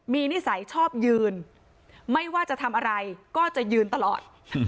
มีนิสัยชอบยืนไม่ว่าจะทำอะไรก็จะยืนตลอด